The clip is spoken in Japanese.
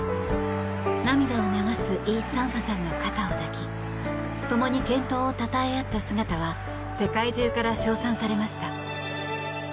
涙を流すイ・サンファさんの肩を抱き共に健闘をたたえ合った姿は世界中から称賛されました。